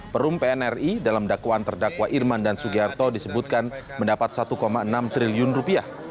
perum pnri dalam dakwaan terdakwa irman dan sugiharto disebutkan mendapat satu enam triliun rupiah